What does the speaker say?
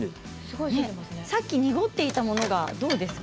濁っていたものはどうですか？